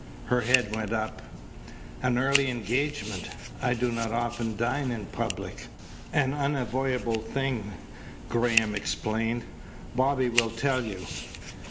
Her head went up. "An early engagement! I do not often dine in public." "An unavoidable thing," Graham explained. "Bobby will tell you."